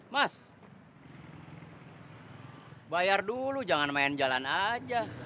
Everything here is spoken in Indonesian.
mas bayar dulu jangan main jalan aja